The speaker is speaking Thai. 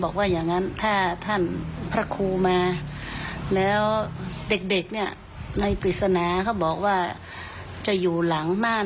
ข้างบนค่ะและทีนี้เขาบอกว่า